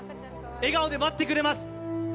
笑顔で待ってくれます。